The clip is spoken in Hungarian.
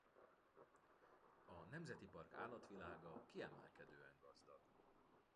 A nemzeti park állatvilága kiemelkedően gazdag.